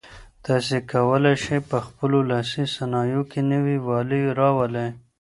تاسي کولای شئ په خپلو لاسي صنایعو کې نوي والی راولئ.